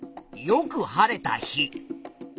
よく晴れた日。